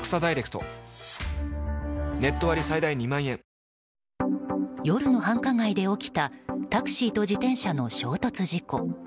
「ほんだし」で夜の繁華街で起きたタクシーと自転車の衝突事故。